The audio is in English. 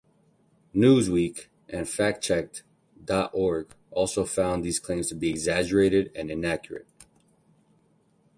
"Newsweek" and Factcheck dot org also found these claims to be exaggerated and inaccurate.